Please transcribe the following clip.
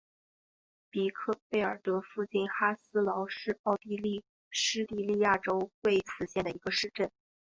比克费尔德附近哈斯劳是奥地利施蒂利亚州魏茨县的一个市镇。